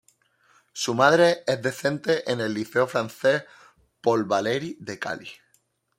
Su madre es docente en el Liceo Frances Paul Valery de Cali.